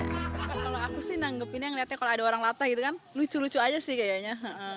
kalau aku sih nanggepinnya ngeliatnya kalau ada orang latah gitu kan lucu lucu aja sih kayaknya